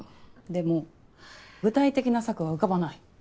でも具体的な策は浮かばない。